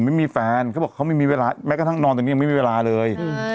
ไม่มีแฟนเขาบอกเขาไม่มีเวลาแม้กระทั่งนอนตอนนี้ยังไม่มีเวลาเลย